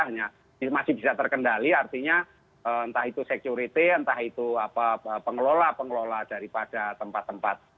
hanya masih bisa terkendali artinya entah itu security entah itu pengelola pengelola daripada tempat tempat